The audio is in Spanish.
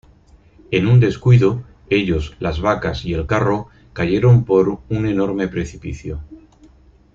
En un descuido, ellos, las vacas y el carro cayeron por un enorme precipicio.